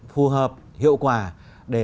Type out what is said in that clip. phù hợp hiệu quả để